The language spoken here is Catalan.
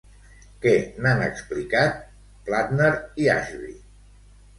Què n'han explicat Platner i Ashby?